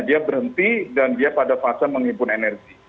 dia berhenti dan dia pada fase menghimpun energi